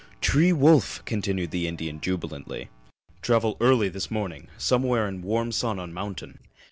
"T'ree wolf!" continued the Indian jubilantly. "Travel early this morning. Somewhere in warm sun on mountain!"